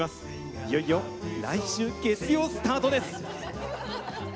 いよいよ来週月曜スタートです。